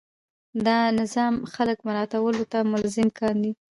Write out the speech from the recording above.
دا نظام خلک مراعاتولو ته ملزم کاندي.